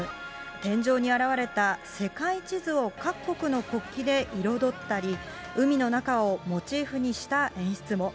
天井に現れた世界地図を各国の国旗で彩ったり、海の中をモチーフにした演出も。